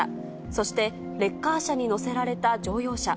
そしてレッカー車に載せられた乗用車。